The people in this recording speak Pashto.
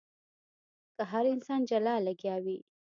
که هر انسان جلا لګيا وي.